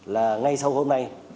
là ngay sau hôm nay